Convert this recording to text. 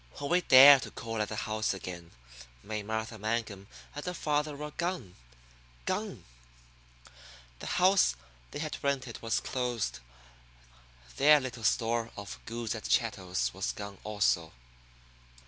When we dared to call at the house again May Martha Mangum and her father were gone. Gone! The house they had rented was closed. Their little store of goods and chattels was gone also.